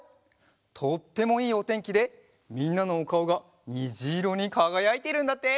とってもいいおてんきでみんなのおかおがにじいろにかがやいているんだって！